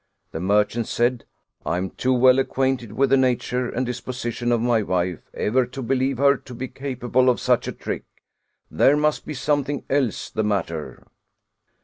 The merchant said: " I am too well acquainted with the nature and dis position of my wife ever to believe her to be capable of such a trick; there must be something else the matter."